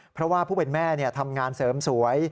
เพราะว่าผู้เป็นแม่ทำงานเสริมสวย